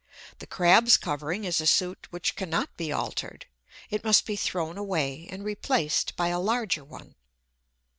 The crab's covering is a suit which cannot be altered. It must be thrown away, and replaced by a larger one.